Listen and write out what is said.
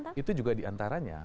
ya itu juga diantaranya